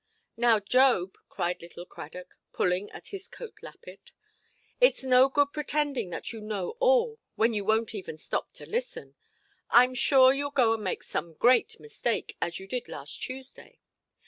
"Now, Job", cried little Cradock, pulling at his coat–lappet, "itʼs no good pretending that you know all, when you wonʼt even stop to listen. Iʼm sure youʼll go and make some great mistake, as you did last Tuesday.